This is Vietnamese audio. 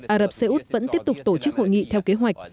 ả rập xê út vẫn tiếp tục tổ chức hội nghị theo kế hoạch